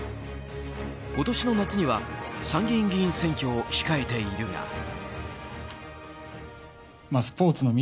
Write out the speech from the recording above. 今年の夏には参議院選挙を控えているが。